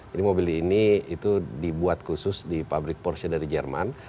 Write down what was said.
jadi mobil ini itu dibuat khusus di pabrik porsche dari jerman